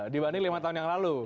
dibanding lima tahun yang lalu